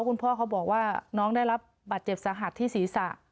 คุณพ่อเขาบอกว่าน้องได้รับบาดเจ็บสาหัสที่ศีรษะ